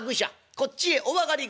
こっちへお上がり愚者。